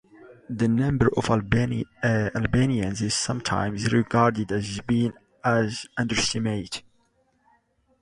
The number of Albanians is sometimes regarded as being an underestimate.